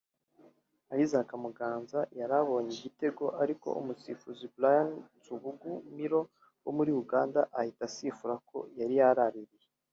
' Isaac Muganza yari abonye igitego ariko umusifuzi Brian Nsubuga Miro wo muri Uganda ahita asifura ko yari yararariye